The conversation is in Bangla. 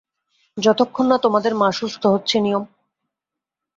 যতক্ষণ না তোমাদের মা সুস্থ হচ্ছে নিয়ম?